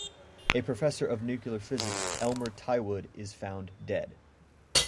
A Professor of Nuclear Physics, Elmer Tywood, is found dead.